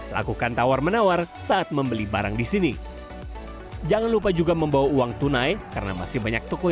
lakukan tawar menawar saat membeli barang yang terbaik